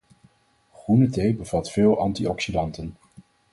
Groene thee bevat veel antioxidanten